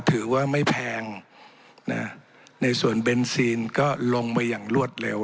ถือว่าไม่แพงนะในส่วนเบนซีนก็ลงมาอย่างรวดเร็ว